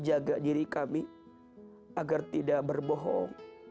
agar tidak berbohong